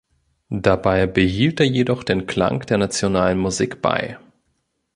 Dabei behielt er jedoch den Klang der nationalen Musik bei.